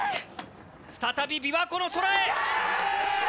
再び琵琶湖の空へ。